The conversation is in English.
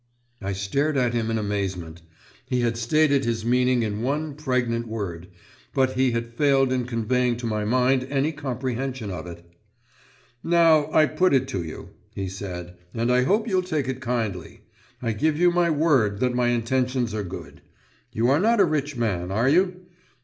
I stared at him in amazement; he had stated his meaning in one pregnant word, but he had failed in conveying to my mind any comprehension of it. "Now, I put it to you," he said, "and I hope you'll take it kindly. I give you my word that my intentions are good. You are not a rich man, are you?"